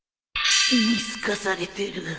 見透かされてる